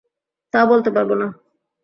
তা বলতে পারব না!